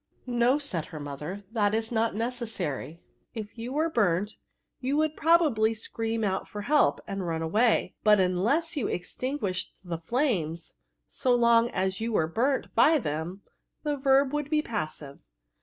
'^ No," said her mother, "that is noineces 58 VBRB8. saiy : if you were bumtj jou would, probably, scream out for help, and run away; but unless you extinguished the j9aines> so long as you were burnt by them, that verb would be passive.